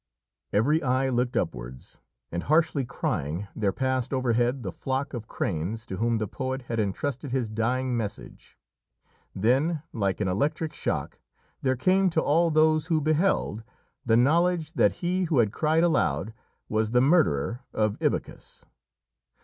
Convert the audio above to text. _" Every eye looked upwards, and, harshly crying, there passed overhead the flock of cranes to whom the poet had entrusted his dying message. Then, like an electric shock, there came to all those who beheld the knowledge that he who had cried aloud was the murderer of Ibycus.